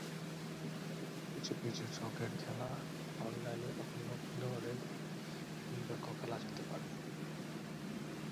কিছু কিছু ছকের খেলা অনলাইনে অন্য খেলোয়াড়ের বিপক্ষেও খেলা যেতে পারে।